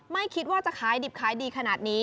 ไม่คิดว่าจะขายดิบขายดีขนาดนี้